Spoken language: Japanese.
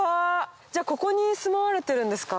じゃあここに住まわれてるんですか？